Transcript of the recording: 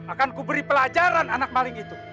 akanku beri pelajaran anak maling itu